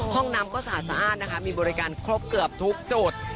ห้องน้ำก็สะอาดนะคะมีบริการครบเกือบทุกจุด